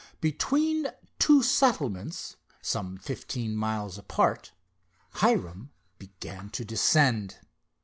Between two settlements, some fifteen miles apart, Hiram began to descend.